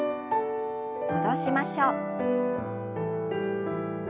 戻しましょう。